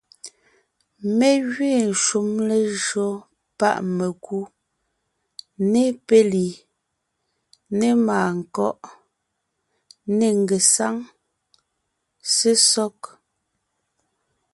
Mé gẅiin shúm lejÿo páʼ mekú , ne péli, ne màankɔ́ʼ, ne ngesáŋ, sesɔg;